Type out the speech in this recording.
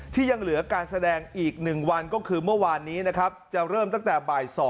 ที่ยังเหลือการแสดงอีก๑วันก็คือเมื่อวานนี้นะครับจะเริ่มตั้งแต่บ่าย๒